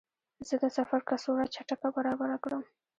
زه د سفر کڅوړه چټکه برابره کړم.